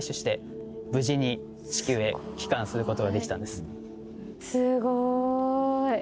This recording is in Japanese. すごい。